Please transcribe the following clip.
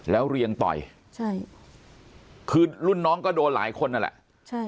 แล้วเรียงต่อยใช่คือรุ่นน้องก็โดนหลายคนนั่นแหละใช่